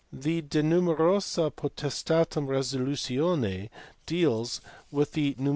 The De Numerosa Potestatum Resolutions deals with nume VIETA.